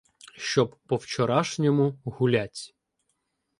Щоб по-вчорашньому гулять.